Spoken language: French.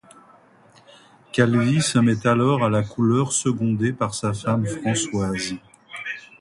Calvi se met alors à la couleur secondé par sa femme Françoise.